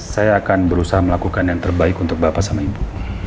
saya akan berusaha melakukan yang terbaik untuk bapak sama ibu